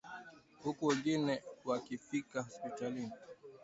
huku wengine wakifia hospitalini